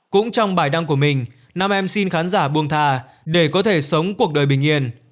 cũng trong bài đăng của mình nam em xin khán giả buông thà để có thể sống cuộc đời bình yên